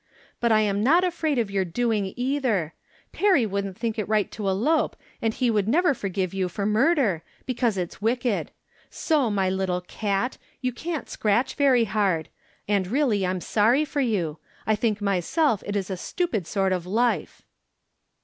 But I am not afraid of your doing either. Perry wouldn't think it right to elope, and he would never forgive you for mur der, because it's wicked. So, my little cat, you can't scratch very hard. And really I'm sorry for you. I think myself it is a stupid sort of life."